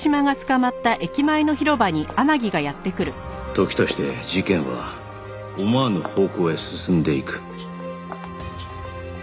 時として事件は思わぬ方向へ進んでいく